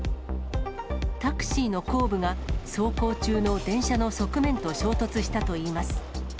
タクシーの後部が、走行中の電車の側面と衝突したといいます。